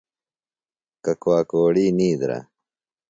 ککواک اوڑی نِیدرہ۔